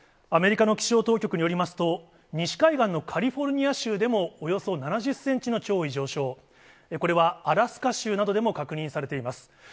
アメリカの気象当局によりますと、西海岸のカリフォルニア州でもおよそ７０センチの潮位上昇、これはアラスカ州などでも確認されています。